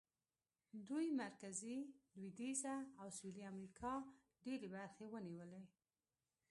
دوی مرکزي، لوېدیځه او سوېلي امریکا ډېرې برخې ونیولې.